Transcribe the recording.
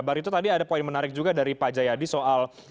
mbak rito tadi ada poin menarik juga dari pak jayadi soal